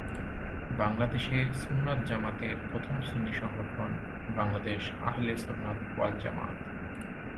বাংলাদেশে সুন্নাত জামাতের প্রথম সুন্নী সংগঠন বাংলাদেশ আহলে সুন্নাত ওয়াল জামাত।